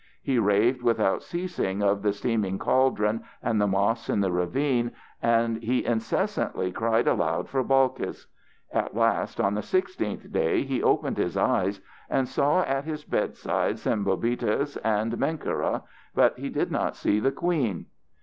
He raved without ceasing of the steaming cauldron and the moss in the ravine, and he incessantly cried aloud for Balkis. At last, on the sixteenth day, he opened his eyes and saw at his bedside Sembobitis and Menkera, but he did not see the queen.